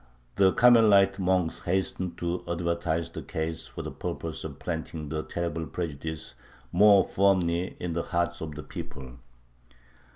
The Carmelite monks hastened to advertise the case for the purpose of planting the terrible prejudice more firmly in the hearts of the people.